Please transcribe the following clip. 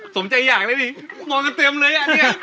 สมใจอยากได้ดิงอนกันเต็มเลยอ่ะเนี่ย